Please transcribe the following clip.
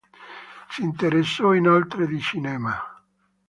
Si interessò inoltre di cinema.